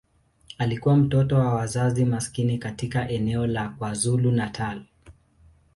Alikuwa mtoto wa wazazi maskini katika eneo la KwaZulu-Natal.